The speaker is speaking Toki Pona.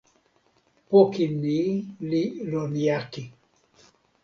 poki ni li lon jaki.